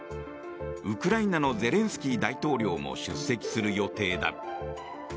ウクライナのゼレンスキー大統領も出席する予定だ。